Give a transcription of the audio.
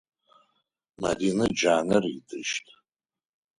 Марина джанэр ыдыщт.